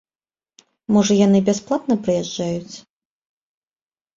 Можа яны бясплатна прыязджаюць!